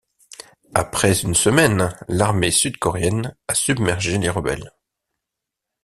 Après une semaine, l'armée sud-coréenne a submergé les rebelles.